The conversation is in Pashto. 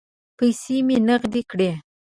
پیسې مې نغدې کړې.